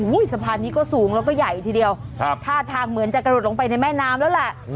สะพานนี้ก็สูงแล้วก็ใหญ่ทีเดียวท่าทางเหมือนจะกระโดดลงไปในแม่น้ำแล้วแหละ